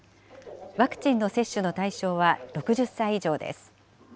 ワクチンの接種の対象は６０歳以上です。